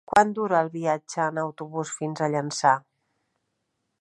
Quant dura el viatge en autobús fins a Llançà?